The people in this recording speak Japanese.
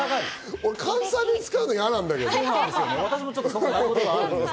俺、関西弁使うの嫌なんだけど。